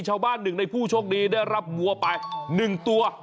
ชาวบ้านหนึ่งในผู้โชคดีได้รับวัวไป๑ตัว